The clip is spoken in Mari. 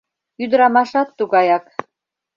Ӱдырамашат тугаяк.